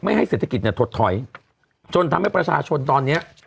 ให้เศรษฐกิจเนี่ยถดถอยจนทำให้ประชาชนตอนเนี้ย